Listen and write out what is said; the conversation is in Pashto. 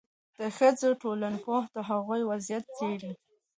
د ښځو ټولنپوهنه د هغوی وضعیت څېړي.